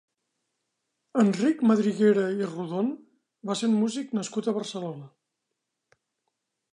Enric Madriguera i Rodon va ser un músic nascut a Barcelona.